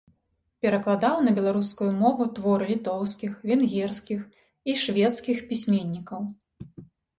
Перакладаў на беларускую мову творы літоўскіх, венгерскіх і шведскіх пісьменнікаў.